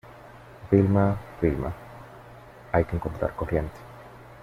Vilma, Vilma... hay que encontrar corriente .